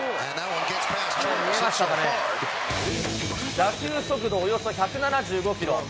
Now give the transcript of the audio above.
打球速度およそ１７５キロ。